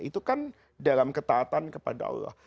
itu kan dalam ketaatan kepada allah